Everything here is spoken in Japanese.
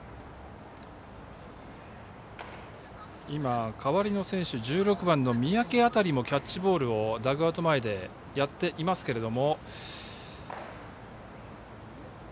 今、代わりの選手１６番の三宅辺りもキャッチボールをダグアウト前でやっていますが。